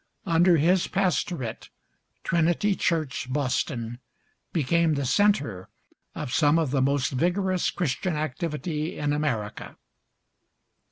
Under his pastorate Trinity Church, Boston, became the centre of some of the most vigorous Christian activity in America.